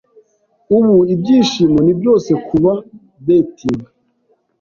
ubu ibyishimo ni byose kuba betting